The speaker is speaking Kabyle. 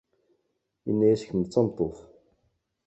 Yenna-as kemm d tameṭṭut.